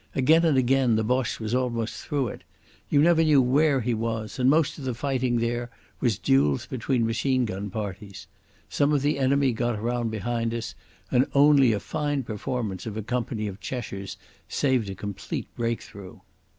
Again and again the Boche was almost through it. You never knew where he was, and most of the fighting there was duels between machine gun parties. Some of the enemy got round behind us, and only a fine performance of a company of Cheshires saved a complete breakthrough.